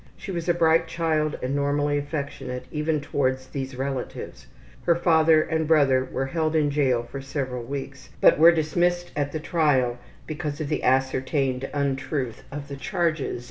She was a bright child and normally affectionate, even towards these relatives. Her father and brother were held in jail for several weeks, but were dismissed at the trial because of the ascertained untruth of the charges.